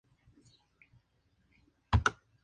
El equipo está formado por.